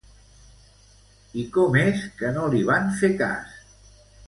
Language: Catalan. I com és que no li van fer cas?